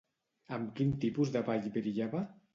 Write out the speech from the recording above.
Amb quin tipus de ball brillava?